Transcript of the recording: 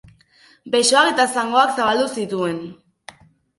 Besoak eta zangoak zabaldu zituen.